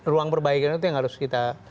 ruang perbaikan itu yang harus kita